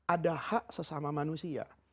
ada hak sesama manusia